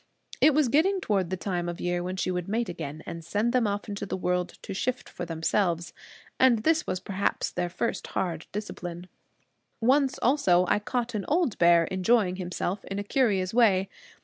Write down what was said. It was getting toward the time of year when she would mate again, and send them off into the world to shift for themselves. And this was perhaps their first hard discipline. Once also I caught an old bear enjoying himself in a curious way.